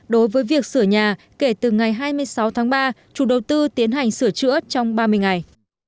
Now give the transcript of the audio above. đối với việc sửa nhà kể từ ngày hai mươi sáu tháng ba chủ đầu tư tiến hành sửa chữa trong ba mươi ngày